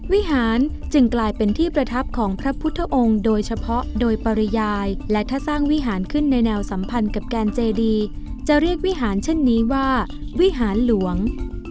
วิหารจึงกลายเป็นที่ประทับของพระพุทธองค์โดยเฉพาะโดยปริยายและถ้าสร้างวิหารขึ้นในแนวสัมพันธ์กับแกนเจดีจะเรียกวิหารเช่นนี้ว่าวิหารหลวง